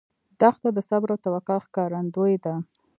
دښته د صبر او توکل ښکارندوی ده.